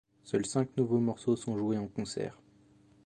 Seuls cinq nouveaux morceaux sont joués en concert.